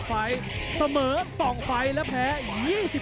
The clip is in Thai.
คนนี้มาจากอำเภออูทองจังหวัดสุภัณฑ์บุรีนะครับ